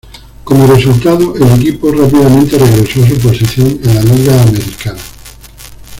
Como resultado, el equipo rápidamente regresó a su posición en la Liga Americana.